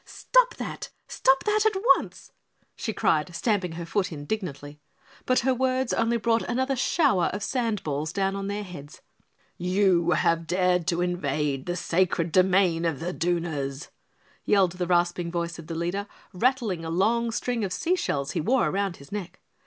"Stop that! Stop that at once!" she cried, stamping her foot indignantly, but her words only brought another shower of sand balls down on their heads. "You have dared to invade the sacred domain of the Dooners," yelled the rasping voice of the leader, rattling a long string of sea shells he wore round his neck.